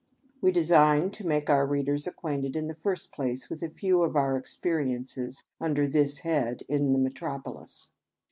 We design to make our readers acquainted in the first place with a few of our experiences under this head in the metropolis.